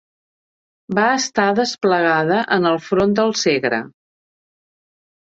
Va estar desplegada en el front del Segre.